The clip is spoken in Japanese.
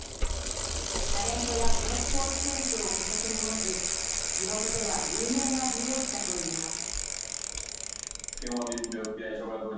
タレントやプロスポーツ選手を顧客に持つ地元では有名な美容師だといいます。